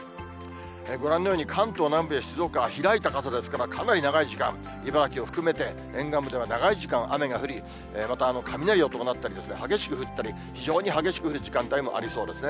ご覧のように、関東南部や静岡は開いた傘ですから、かなり長い時間、茨城を含めて、沿岸部では長い時間雨が降り、また、雷を伴ったり、激しく降ったり、非常に激しく降る時間帯もありそうですね。